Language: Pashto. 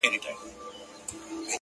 زه به منګی په لپو ورو ورو ډکومه؛